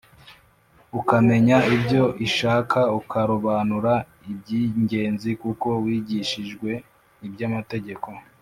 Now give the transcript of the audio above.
ukamenya ibyo ishaka, ukarobanura iby’ingenzi kuko wigishijwe iby’amategeko,